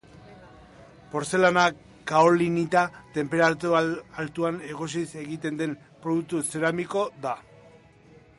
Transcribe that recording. Portzelana kaolinita tenperatura altuan egosiz egiten den produktu zeramiko da